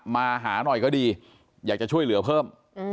มาหาหน่อยก็ดีอยากจะช่วยเหลือเพิ่ม